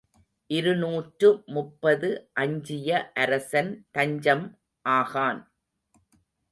இருநூற்று முப்பது அஞ்சிய அரசன் தஞ்சம் ஆகான்.